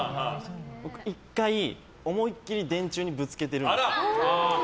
僕１回、思いっきり電柱にぶつけてるんですよ。